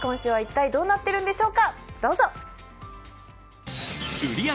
今週は一体どうなっているんでしょうか。